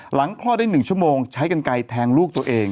คลอดได้๑ชั่วโมงใช้กันไกลแทงลูกตัวเอง